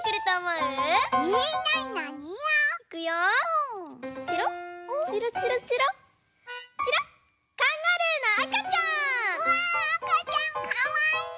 うわあかちゃんかわいい！